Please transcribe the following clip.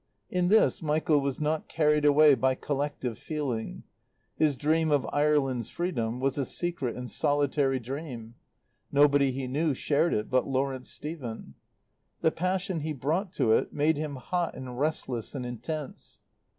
In this Michael was not carried away by collective feeling; his dream of Ireland's freedom was a secret and solitary dream. Nobody he knew shared it but Lawrence Stephen. The passion he brought to it made him hot and restless and intense.